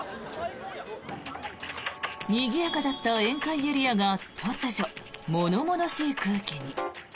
にぎやかだった宴会エリアが突如、物々しい空気に。